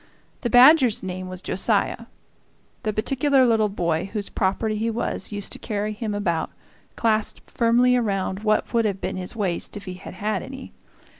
The badger's name was Josiah; the particular little boy whose property he was used to carry him about, clasped firmly around what would have been his waist if he had had any.